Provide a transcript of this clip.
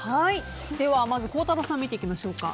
まず孝太郎さん見ていきましょうか。